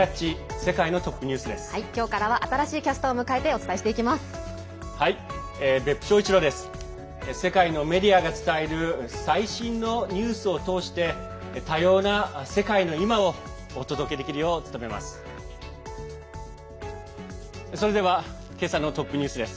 世界のメディアが伝える最新のニュースを通して多様な世界の今をお届けできるよう努めます。